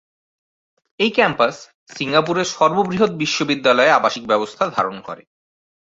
এই ক্যাম্পাস সিঙ্গাপুরের সর্ববৃহৎ বিশ্ববিদ্যালয়-আবাসিক ব্যবস্থা ধারণ করে।